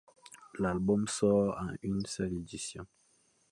L'album sort en une seule édition.